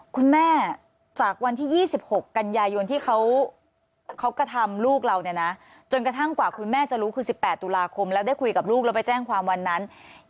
คุณแม่จากวันที่๒๖กันยายนที่เขากระทำลูกเราเนี่ยนะจนกระทั่งกว่าคุณแม่จะรู้คือ๑๘ตุลาคมแล้วได้คุยกับลูกแล้วไปแจ้งความวันนั้น